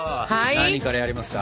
何からやりますか？